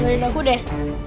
biarin aku deh